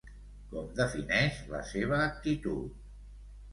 Com defineix la seva actitud?